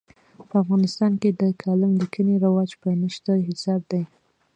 په افغانستان کې د کالم لیکنې رواج په نشت حساب دی.